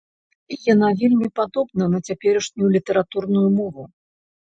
Яна вельмі падобна на цяперашнюю літаратурную мову.